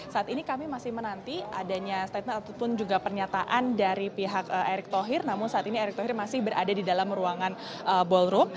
saat ini kami masih menanti adanya statement ataupun juga pernyataan dari pihak erick thohir namun saat ini erick thohir masih berada di dalam ruangan ballroom